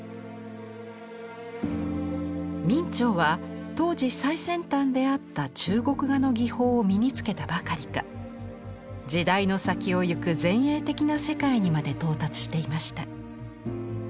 明兆は当時最先端であった中国画の技法を身につけたばかりか時代の先を行く前衛的な世界にまで到達していました。